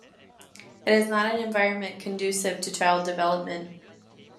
It's not an environment conducive to child development.